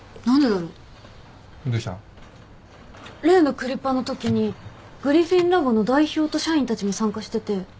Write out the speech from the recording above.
例のクリパのときにグリフィン・ラボの代表と社員たちも参加してて。